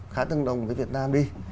khá tương đồng với việt nam đi